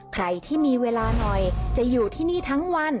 ใครที่มีเวลาหน่อยจะอยู่ที่นี่ทั้งวัน